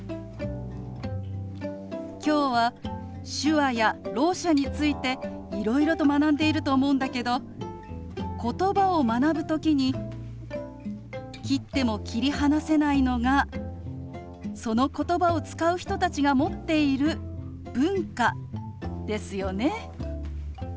今日は手話やろう者についていろいろと学んでいると思うんだけどことばを学ぶ時に切っても切り離せないのがそのことばを使う人たちが持っている文化ですよね。